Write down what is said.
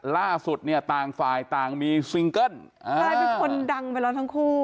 ล่าสุดเนี่ยต่างฝ่ายต่างมีซิงเกิ้ลกลายเป็นคนดังไปแล้วทั้งคู่